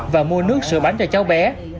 và mua nước sữa bánh cho cháu bé